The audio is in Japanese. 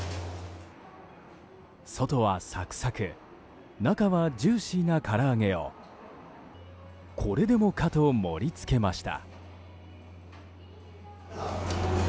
外はサクサク中はジューシーなから揚げをこれでもかと盛り付けました。